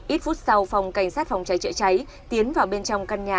ít phút sau phòng cảnh sát phòng cháy chữa cháy tiến vào bên trong căn nhà